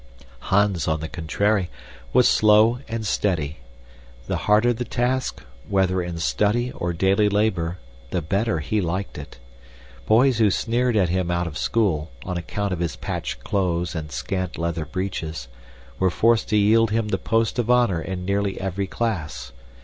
Hans, on the contrary, was slow and steady. The harder the task, whether in study or daily labor, the better he liked it. Boys who sneered at him out of school, on account of his patched clothes and scant leather breeches, were forced to yield him the post of honor in nearly every class.